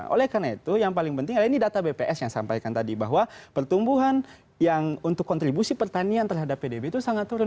oleh karena itu yang paling penting adalah ini data bps yang sampaikan tadi bahwa pertumbuhan yang untuk kontribusi pertanian terhadap pdb itu sangat turun